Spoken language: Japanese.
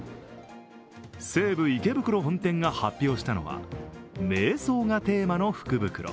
西武池袋本店が発表したのは、めい想がテーマの福袋。